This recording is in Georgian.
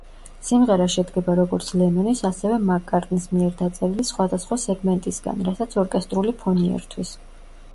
სიმღერა შედგება როგორც ლენონის, ასევე მაკ-კარტნის მიერ დაწერილი სხვადასხვა სეგმენტისგან, რასაც ორკესტრული ფონი ერთვის.